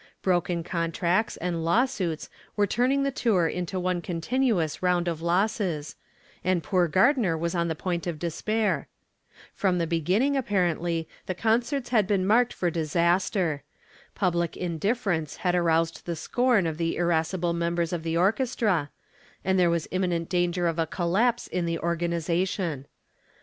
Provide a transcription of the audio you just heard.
Broken contracts and lawsuits were turning the tour into one continuous round of losses, and poor Gardner was on the point of despair. From the beginning, apparently, the concerts had been marked for disaster. Public indifference had aroused the scorn of the irascible members of the orchestra, and there was imminent danger of a collapse in the organization.